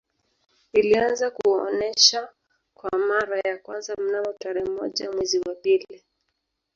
Ilianza kuonesha kwa mara ya kwanza mnamo tarehe moja mwezi wa pili